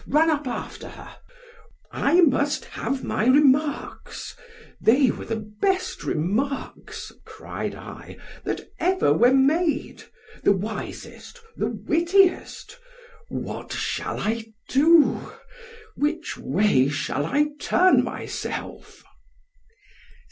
_ run up after her—— —I must have my remarks——they were the best remarks, cried I, that ever were made—the wisest—the wittiest—What shall I do?—which way shall I turn myself?